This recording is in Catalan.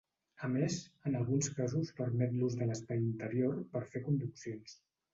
A més, en alguns casos permet l'ús de l'espai interior per fer conduccions.